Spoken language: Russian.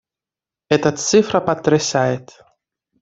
Эта цифра потрясает.